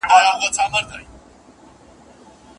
که استاد په املا کي ساده او روانه ژبه وکاروي.